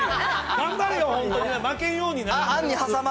頑張れよ、本当に、負けんようにな。